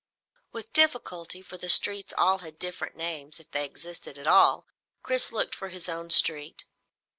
With difficulty, for the streets all had different names if they existed at all, Chris looked for his own street.